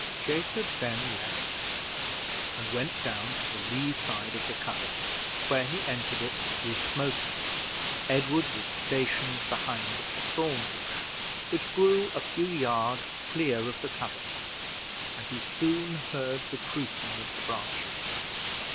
Jacob then left Edward, and went down to the lee side of the covert, where he entered it with Smoker. Edward was stationed behind a thorn bush, which grew a few yards clear of the covert, and he soon heard the creaking of the branches.